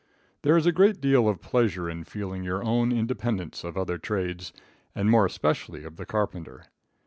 There is a great deal of pleasure in feeling your own independence of other trades, and more especially of the carpenter.